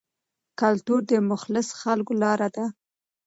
کلتور د مخلصو خلکو لاره ده.